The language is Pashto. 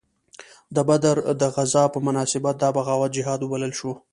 د بدر د غزا په مناسبت دا بغاوت جهاد وبلل شو.